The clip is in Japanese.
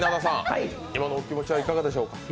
今のお気持ちはいかがでしょうか？